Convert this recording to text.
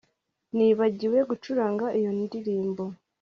Nibagiwe gucuranga iyo ndirimbo